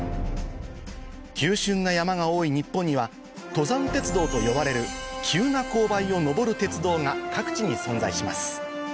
急峻な山が多い日本には登山鉄道と呼ばれる急な勾配を上る鉄道が各地に存在します